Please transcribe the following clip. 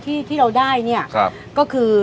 ที่เราได้เนี่ยก็คือ